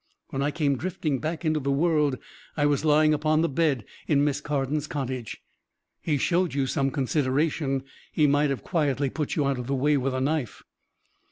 When I came drifting back into the world I was lying upon the bed in Miss Carden's cottage." "He showed you some consideration. He might have quietly put you out of the way with a knife."